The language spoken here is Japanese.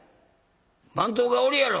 番頭がおるやろ」。